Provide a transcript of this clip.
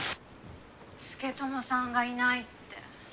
佐智さんがいないって。